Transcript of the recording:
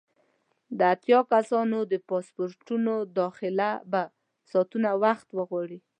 د اتیا کسانو د پاسپورټونو داخله به ساعتونه وخت وغواړي.